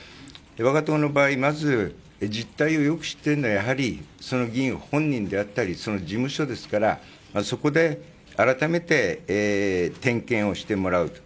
我が党の場合まず実態をよく知っているのはやはりその議員本人であったりその事務所ですからそこで改めて点検をしてもらうと。